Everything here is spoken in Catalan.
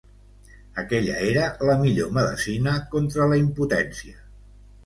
Aquella era la millor medecina contra la impotència.